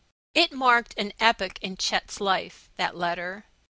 It marked an epoch in Chet's life that letter.